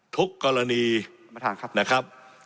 ทุกกรณีนะครับ